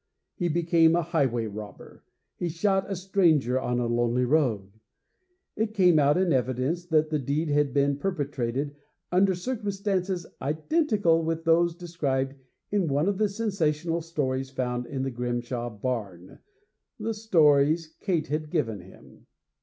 He became a highway robber; he shot a stranger on a lonely road. It came out in evidence that the deed had been perpetrated under circumstances identical with those described in one of the sensational stories found in the Grimshaw barn the stories Kate had given him!